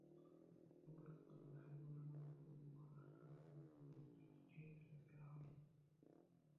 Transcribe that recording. সম্প্রতি বাংলাদেশ হাইকমিশনের পক্ষ থেকে মহারাষ্ট্র সরকারের কাছে একটি চিঠি লেখা হয়।